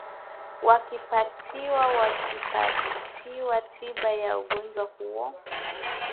wakipatiwa wakipatiwa tiba ya ugonjwa huo